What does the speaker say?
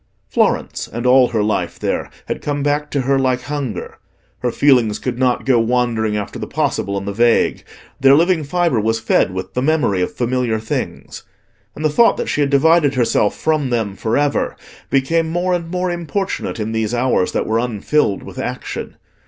Florence, and all her life there, had come back to her like hunger; her feelings could not go wandering after the possible and the vague: their living fibre was fed with the memory of familiar things. And the thought that she had divided herself from them for ever became more and more importunate in these hours that were unfilled with action.